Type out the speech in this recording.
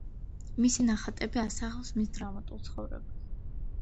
მისი ნახატები ასახავს მის დრამატულ ცხოვრებას.